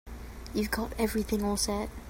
You've got everything all set?